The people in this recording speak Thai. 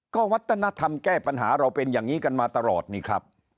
ก็วัฒนธรรมแก้ปัญหาเราเป็นอย่างนี้กันมาตลอดนี่ครับ